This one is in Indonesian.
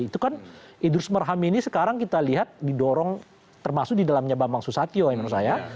itu kan idrus marham ini sekarang kita lihat didorong termasuk di dalamnya bambang susatyo menurut saya